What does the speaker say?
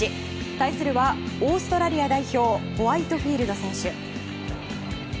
対するはオーストラリア代表ホワイトフィールド選手。